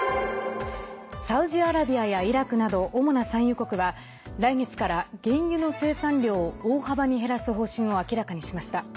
サウジアラビアやイラクなど主な産油国は来月から原油の生産量を大幅に減らす方針を明らかにしました。